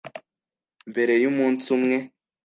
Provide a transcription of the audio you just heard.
Mbere y’umunsi umwe